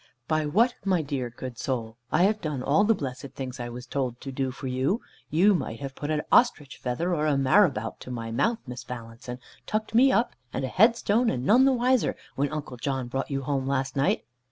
"By what, my dear good soul? I have done all the blessed things I was told to do for you. You might have put a ostrich feather or a marabout to my mouth, Miss Valence, and tucked me up, and a headstone, and none the wiser, when Uncle John brought you home last night."